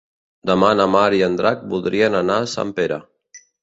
Demà na Mar i en Drac voldrien anar a Sempere.